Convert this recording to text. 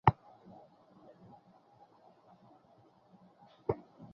মৌলভী আহমদ একজন deputy magistrate ছিলেন।